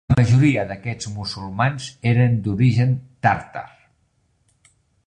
La majoria d'aquests musulmans eren d'origen Tàrtar.